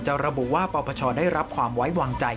ระบุว่าปปชได้รับความไว้วางใจ